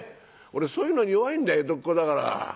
俺そういうのに弱いんだよ江戸っ子だから。